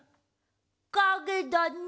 かげだね。